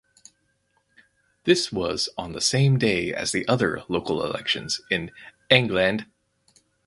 This was on the same day as the other local elections in England.